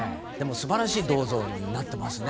素晴らしい銅像になっていますね